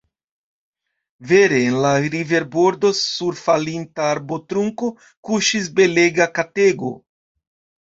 Vere, en la riverbordo, sur falinta arbotrunko kuŝis belega katego.